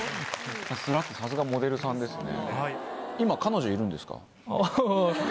スラっとさすがモデルさんですね。